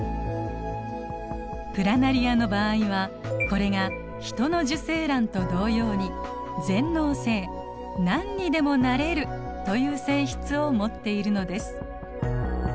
プラナリアの場合はこれがヒトの受精卵と同様に全能性何にでもなれるという性質を持っているのです。